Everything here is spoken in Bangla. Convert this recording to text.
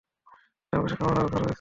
চারপাশে খামার আর ঘর রয়েছে।